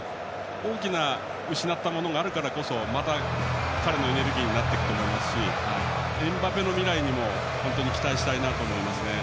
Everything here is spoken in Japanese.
大きな失ったものがあるからこそまた彼のエネルギーになってくると思いますしエムバペの未来にも本当に期待したいと思います。